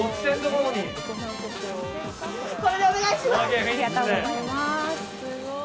これでお願いします。